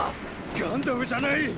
ガンダムじゃない。